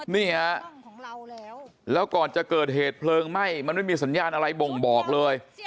นี่ฮะของเราแล้วแล้วก่อนจะเกิดเหตุเพลิงไหม้มันไม่มีสัญญาณอะไรบ่งบอกเลย